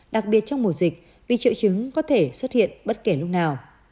đặc biệt trong mùa dịch vì triệu chứng có thể xuất hiện bất kể lúc nào